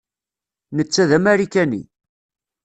Netta d Amarikani.